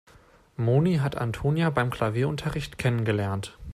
Moni hat Antonia beim Klavierunterricht kennengelernt.